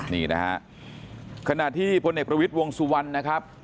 นี่นะฮะขณะที่พลเอกประวิทย์วงสุวรรณนะครับ